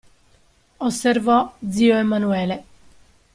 Osservò zio Emanuele.